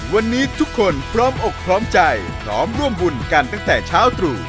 วันนี้ทุกคนพร้อมอกพร้อมใจพร้อมร่วมบุญกันตั้งแต่เช้าตรู่